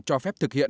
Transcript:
cho phép thực hiện